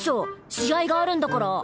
試合があるんだから。